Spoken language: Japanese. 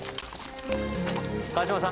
川島さん。